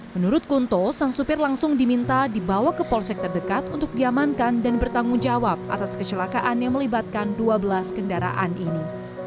menurut kunto sang supir langsung diminta dibawa ke polsek terdekat untuk diamankan dan bertanggung jawab atas kecelakaan yang melibatkan dua belas kendaraan ini